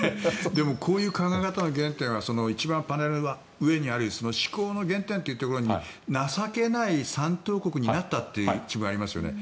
でも、こういう考え方の原点はパネルの上にある思考の原点というところに情けない３等国になったという一文がありますよね。